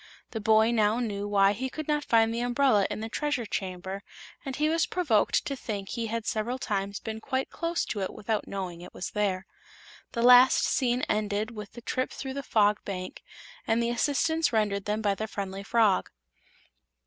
The boy now knew why he could not find the umbrella in the Treasure Chamber, and he was provoked to think he had several times been quite close to it without knowing it was there. The last scene ended with the trip through the Fog Bank and the assistance rendered them by the friendly frog.